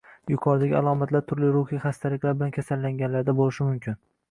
Yuqoridagi alomatlar turli ruhiy xastaliklar bilan kasallanganlarda bo‘lishi mumkin